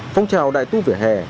phong trào đại tu vỉa hè